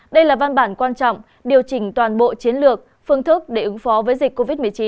đây là văn bản quan trọng điều chỉnh toàn bộ chiến lược phương thức để ứng phó với dịch covid một mươi chín